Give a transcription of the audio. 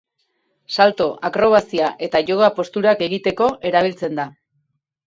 Salto, akrobazia eta yoga posturak egiteko erabiltzen da.